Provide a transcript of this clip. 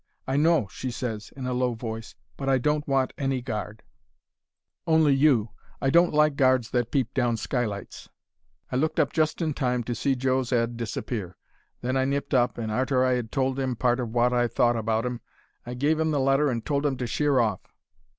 "'I know,' she ses, in a low voice. 'But I don't want any guard—only you. I don't like guards that peep down skylights.' "I looked up just in time to see Joe's 'ead disappear. Then I nipped up, and arter I 'ad told 'im part of wot I thought about 'im I gave 'im the letter and told 'im to sheer off.